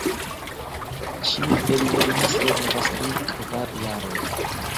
Ĉiu el ili servas dum kvar jaroj.